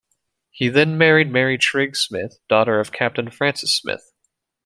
He then married Mary Trigg Smith, daughter of Captain Francis Smith.